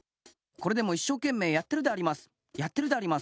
これでも一生懸命やってるであります。